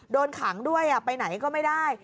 โดนขังด้วยไปไหนก็ไม่ได้